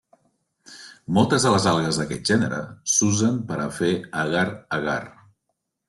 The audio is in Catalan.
Moltes de les algues d'aquest gènere s'usen per a fer agar-agar.